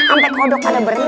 ampe kodok ada berenang